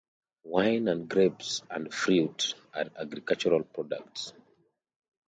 Wine and grapes and fruit are agricultural products.